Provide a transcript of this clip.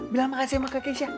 bilang makasih kekeks ya